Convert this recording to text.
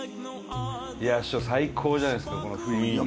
師匠最高じゃないですかこの。